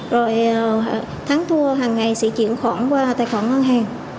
rồi thắng thua hàng ngày sẽ chuyển khoản qua tài khoản ngân hàng